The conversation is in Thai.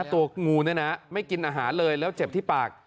ตัวงูเนี่ยนะไม่กินอาหารเลยแล้วเจ็บที่ปาก